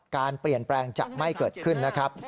การเปลี่ยนแปลงจะไม่เกิดขึ้นนะครับ